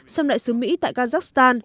xâm đại sứ mỹ tại kazakhstan